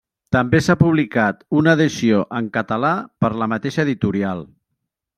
També s'ha publicat una edició en català per la mateixa editorial.